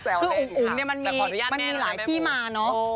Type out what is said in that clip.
แต่อุ๊งเนี่ยมันมีก็ขออนุญาตแม่ออกให้แม่ว่ว